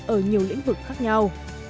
ở nhiều lĩnh vực khác nhau